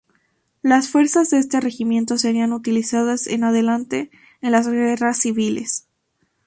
Las fuerzas de este regimiento serían utilizadas, en adelante, en las guerras civiles.